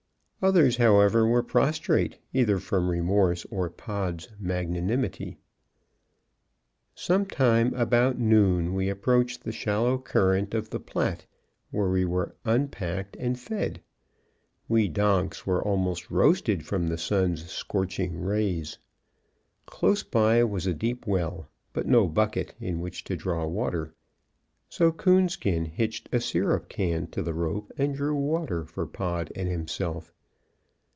Others, however, were prostrate, either from remorse or Pod's magnanimity. Sometime about noon, we approached the shallow current of the Platte, where we were unpacked and fed. We donks were almost roasted from the sun's scorching rays. Close by was a deep well, but no bucket in which to draw water. So Coonskin hitched a syrup can to the rope and drew water for Pod and himself.